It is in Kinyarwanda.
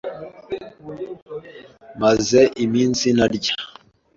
Maze iminsi ntarya.